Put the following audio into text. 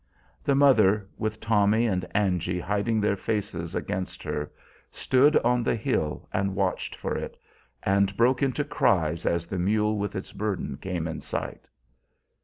The mother, with Tommy and Angy hiding their faces against her, stood on the hill and watched for it, and broke into cries as the mule with its burden came in sight.